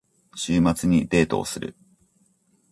週末にデートをする。